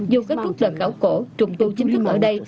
dù các quốc lợi khảo cổ trùng tu chính thức ở đây